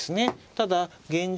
ただ現状